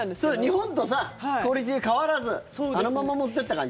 日本とクオリティー変わらずあのまま持っていった感じ？